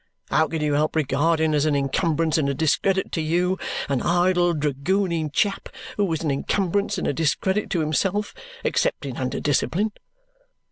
How could you help regarding as an incumbrance and a discredit to you an idle dragooning chap who was an incumbrance and a discredit to himself, excepting under discipline?